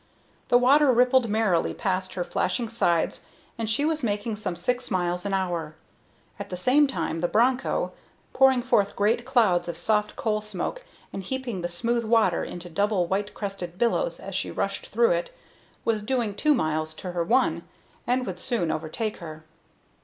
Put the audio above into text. The water rippled merrily past her flashing sides, and she was making some six miles an hour. At the same time the Broncho, pouring forth great clouds of soft coal smoke and heaping the smooth water into double white crested billows as she rushed through it, was doing two miles to her one, and would soon overtake her.